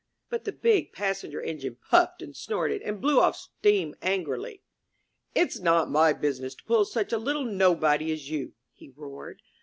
But the Big Passenger Engine puffed and snorted and blew off steam angrily. ''It's not my business to pull such a little nobody as you!" he roared.